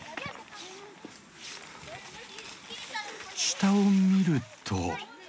下を見ると。